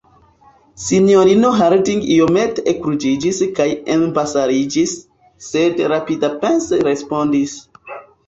Sinjorino Harding iomete ekruĝiĝis kaj embarasiĝis, sed rapidapense respondis: